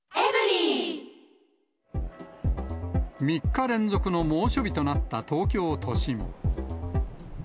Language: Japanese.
３日連続の猛暑日となった東京都心。